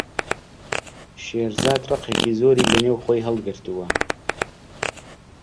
شێرزاد ڕقێکی زۆری لەنێو خۆی هەڵگرتووە.